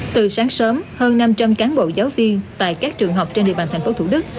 từ sáng sớm hơn năm trăm linh cán bộ giáo viên tại các trường học trên địa bàn thành phố thủ đức